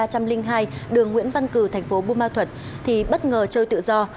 trong số nhà ba trăm linh hai đường nguyễn văn cử thành phố bô mau thuật thì bất ngờ trôi tự do